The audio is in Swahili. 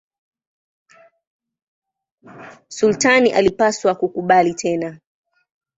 Sultani alipaswa kukubali tena.